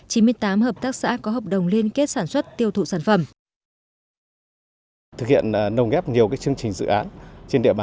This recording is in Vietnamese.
chín mươi tám hợp tác xã có hợp đồng liên kết sản xuất tiêu thụ sản phẩm